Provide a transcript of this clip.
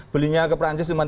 belinya ke perancis cuma tiga